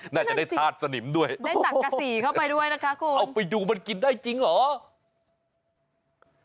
น่าจะได้ธาตุสนิมด้วยได้สักกะสีเข้าไปด้วยนะคะคุณเอาไปดูมันกินได้จริงเหรอ